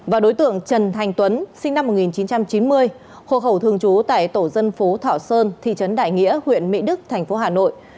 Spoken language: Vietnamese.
và đối tượng trần thành tuấn sinh năm một nghìn chín trăm chín mươi hộ khẩu thường trú tại tổ dân phố thọ sơn thị trấn đại nghĩa huyện mỹ đức thành phố hà nội